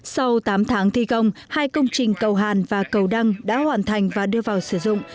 sau tám tháng thi công hai công trình cầu hàn và cầu đăng đã hoàn thành và đưa vào sử dụng